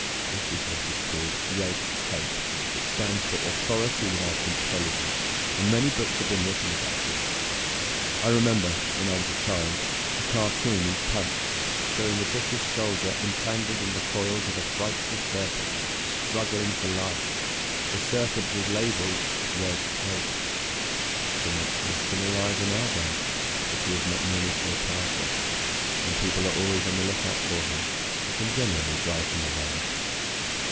This is what is called red tape; it stands for authority without intelligence, and many books have been written about it. I remember, when I was a child, a cartoon in Punch showing the British soldier entangled in the coils of a frightful serpent, struggling for life; the serpent was labeled "Red Tape." (The monster is still alive in our day, but he is not nearly so powerful, and people are always on the lookout for him, and can generally drive him away.)